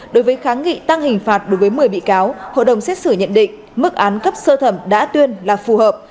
đối với kháng nghị tăng hình phạt đối với một mươi bị cáo hội đồng xét xử nhận định mức án cấp sơ thẩm đã tuyên là phù hợp